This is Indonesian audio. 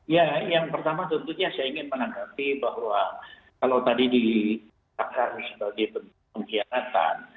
ya yang pertama tentunya saya ingin menganggapi bahwa kalau tadi di pak karnes sebagai pengkhianatan